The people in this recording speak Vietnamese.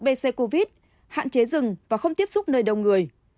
bc covid hạn chế rừng và không tiếp xúc nơi đông người